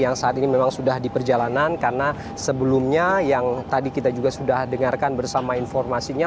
yang saat ini memang sudah di perjalanan karena sebelumnya yang tadi kita juga sudah dengarkan bersama informasinya